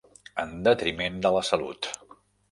En detriment de la salut.